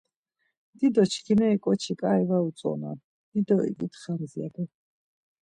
Dido çkineri ǩoçi ǩai var utzonan, dido iǩitxams ya do.